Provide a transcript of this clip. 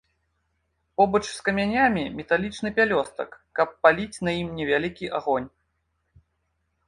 Побач з камянямі металічны пялёстак, каб паліць на ім невялікі агонь.